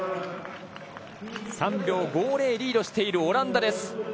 ３秒５０リードしているオランダ。